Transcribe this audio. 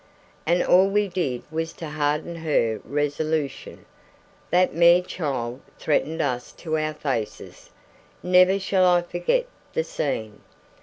And all we did was to harden her resolution; that mere child threatened us to our faces, never shall I forget the scene!